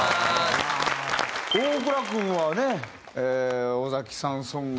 大倉君はね尾崎さんソングは。